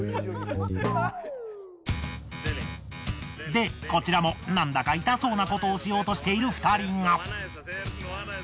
でこちらもなんだか痛そうなことをしようとしている２人が。